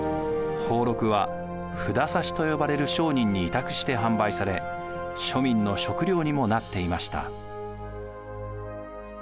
俸禄は札差と呼ばれる商人に委託して販売され庶民の食料にもなっていました。